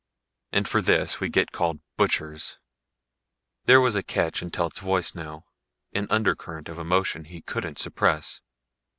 And for this we get called butchers." There was a catch in Telt's voice now, an undercurrent of emotion he couldn't suppress.